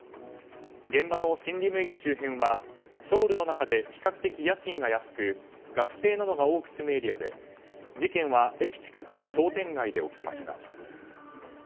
現場のシンリム駅周辺はソウルの中で比較的家賃が安く学生などが多く住むエリアで事件は駅近くの商店街で起きました。